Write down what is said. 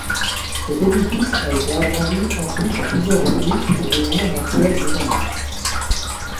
Cet édifice a été agrandi ensuite à plusieurs reprise pour devenir l'actuelle maison Blanche.